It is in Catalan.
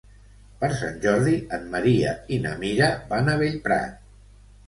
Per Sant Jordi en Maria i na Mira van a Bellprat.